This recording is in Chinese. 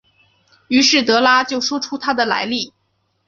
于是德拉就说出他的来历。